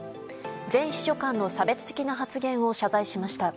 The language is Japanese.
前秘書官の差別的な発言を謝罪しました。